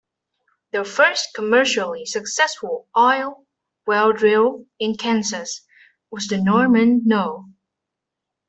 The first commercially successful oil well drilled in Kansas was the Norman No.